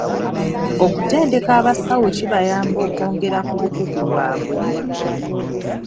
Okutendeka abasawo kibayamba okwongera ku bukugu bwabwe.